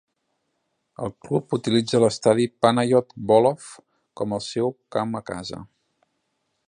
El Club utilitza l'estadi Panayot Volov com el seu camp a casa.